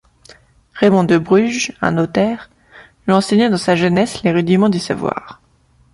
Raimond de Bruges, un notaire, lui enseigna dans sa jeunesse les rudiments du savoir.